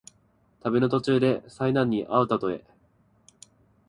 旅の途中で災難にあうたとえ。